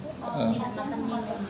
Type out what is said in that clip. pada resmi itu